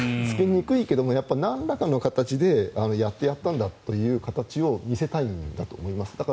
つけにくいけど、なんらかの形でやってやったんだという形を見せたいんだと思います。